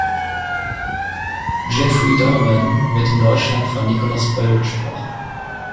Jeffrey Donovan wird in Deutschland von Nicolas Böll gesprochen.